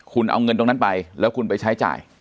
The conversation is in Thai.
คุณเอาเงินตรงนั้นไปแล้วคุณไปใช้จ่าย